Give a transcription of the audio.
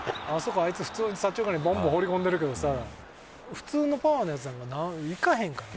あいつ普通に左中間にボンボン放り込んでるけどさ普通のパワーのヤツなんかいかへんからね。